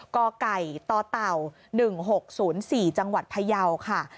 กไก่ต่อเต่า๑๖๐๔จังหวัดพยาวค่ะ